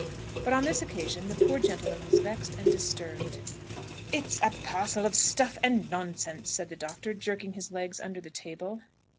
But on this occasion the poor gentleman was vexed and disturbed. "It's a parcel of stuff and nonsense!" said the doctor, jerking his legs under the table.